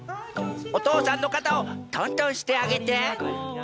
おとうさんのかたをとんとんしてあげて。